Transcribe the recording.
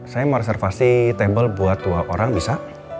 saya mau reservasi table buat dua orang bisa